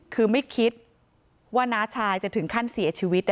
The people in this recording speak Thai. คือไม่คิดว่าน้าชายจะถึงขั้นเสียชีวิต